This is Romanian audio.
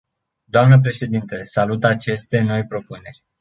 Doamnă președintă, salut aceste noi propuneri.